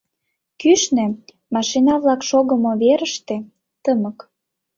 Кӱшнӧ, машина-влак шогымо верыште, тымык.